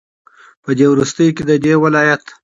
په دې وروستيو كې ددې ولايت